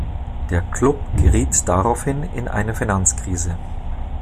Der Klub geriet daraufhin in eine Finanzkrise.